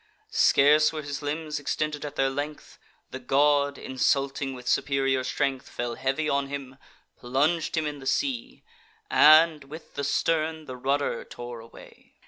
Scarce were his limbs extended at their length, The god, insulting with superior strength, Fell heavy on him, plung'd him in the sea, And, with the stern, the rudder tore away.